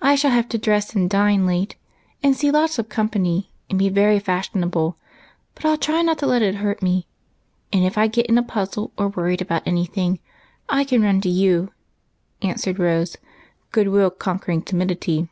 I shall have to dress and dine late, and see lots of company, and be very fashionable, but I '11 try not to let it hurt me ; and if I get in a puzzle or worried about any thing I can run to you," answered Rose, good will conquering timidity.